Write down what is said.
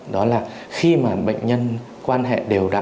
đó là khi mà bệnh nhân quan hệ đều đặ